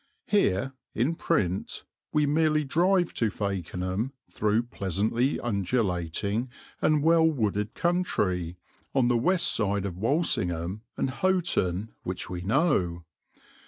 Here, in print, we merely drive to Fakenham through pleasantly undulating and well wooded country, on the west side of Walsingham and Houghton which we know.